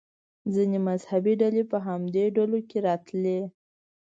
ځینې مذهبي ډلې په همدې ډلو کې راتلې.